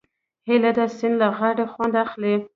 هیلۍ د سیند له غاړې خوند اخلي